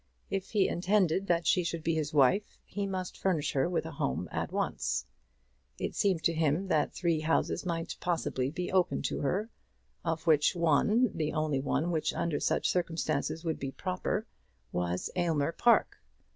If he intended that she should be his wife, he must furnish her with a home at once. It seemed to him that three houses might possibly be open to her, of which one, the only one which under such circumstances would be proper, was Aylmer Park.